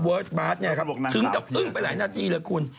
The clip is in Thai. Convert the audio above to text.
เวิร์สบาสถึงกับอึ้งไปหลายนาทีแหละคุณ